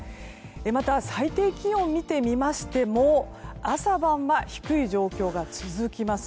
また、最低気温を見てみましても朝晩は低い状況が続きます。